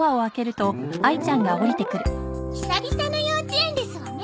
久々の幼稚園ですわね。